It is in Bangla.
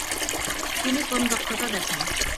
তিনি কম দক্ষতা দেখান।